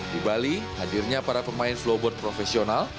di bali hadirnya para pemain flowboard profesional